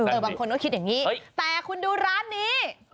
บางคนก็คิดอย่างนี้แต่คุณดูร้านนี้